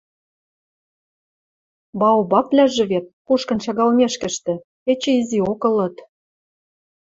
— Баобабвлӓжӹ вет, кушкын шагалмешкӹштӹ, эче изиок ылыт.